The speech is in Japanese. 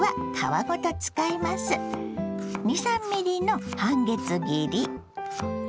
２３ｍｍの半月切り。